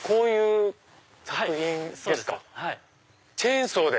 チェーンソーで？